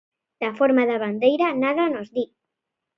Da forma da bandeira nada nos di.